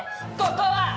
ここは！